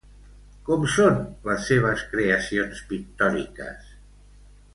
Com són les seves creacions pictòriques?